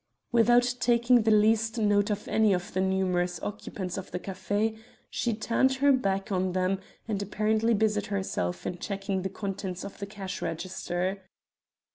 Without taking the least notice of any of the numerous occupants of the café she turned her back on them, and apparently busied herself in checking the contents of the cash register.